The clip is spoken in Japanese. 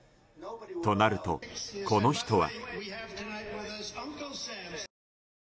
となると、この人は。